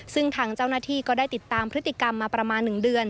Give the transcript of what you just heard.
ซึ่งทางเจ้าหน้าที่ก็ได้ติดตามพฤติกรรมมาประมาณ๑เดือน